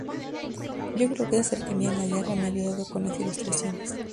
Yo creo que esa cercanía a la guerra me ha ayudado con las ilustraciones".